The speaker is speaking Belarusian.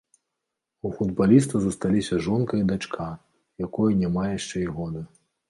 У футбаліста засталіся жонка і дачка, якой няма яшчэ і года.